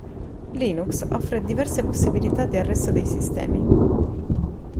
Linux offre diverse possibilità di arresto dei sistemi.